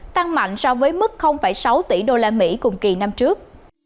tăng mạnh so với mức sáu tỷ đô la mỹ cùng kỳ năm trước